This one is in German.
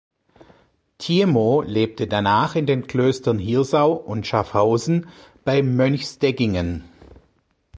Thiemo lebte danach in den Klöstern Hirsau und Schaffhausen bei Mönchsdeggingen.